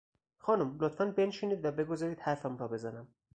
خانم، لطفا بنشینید و بگذارید حرفم را بزنم!